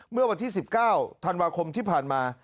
เมื่อวันที่๑๙ธันวาคมที่ผ่านมา